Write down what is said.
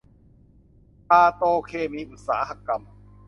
พาโตเคมีอุตสาหกรรม